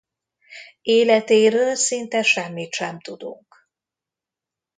Életéről szinte semmit sem tudunk.